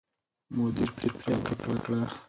مدیر پرېکړه وکړه.